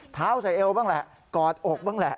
เท้าใส่เอวบ้างแหละกอดอกบ้างแหละ